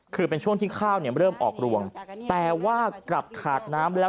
คือเป็นช่วงที่ข้าวเนี่ยเริ่มออกรวงแต่ว่ากลับขาดน้ำแล้ว